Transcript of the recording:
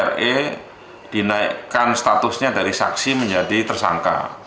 re dinaikkan statusnya dari saksi menjadi tersangka